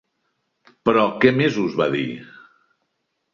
Però què més us va dir?